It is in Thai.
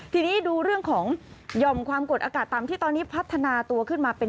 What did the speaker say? ทีนี้ดูเรื่องของหย่อมความกดอากาศต่ำที่ตอนนี้พัฒนาตัวขึ้นมาเป็น